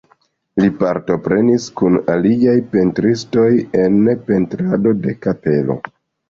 Li partoprenis kun aliaj pentristoj en pentrado de kapelo.